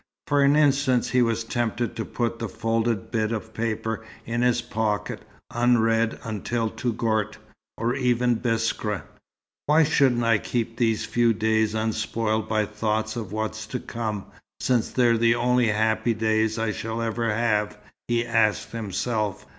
For an instant, he was tempted to put the folded bit of paper in his pocket, unread until Touggourt, or even Biskra. "Why shouldn't I keep these few days unspoiled by thoughts of what's to come, since they're the only happy days I shall ever have?" he asked himself.